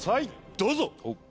どうぞ！